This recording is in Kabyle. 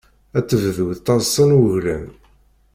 Ad tebdu taḍsa n wuglan.